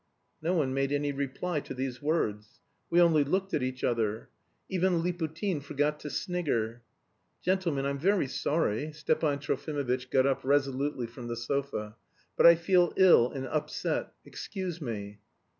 No one made any reply to these words. We only looked at each other. Even Liputin forgot to snigger. "Gentlemen, I'm very sorry" Stepan Trofimovitch got up resolutely from the sofa "but I feel ill and upset. Excuse me."